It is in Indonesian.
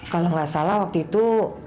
kalau nggak salah waktu itu